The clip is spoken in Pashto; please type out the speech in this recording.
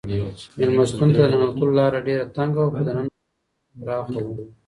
مېلمستون ته د ننوتلو لاره ډېره تنګه وه خو دننه سالون یې پراخه و.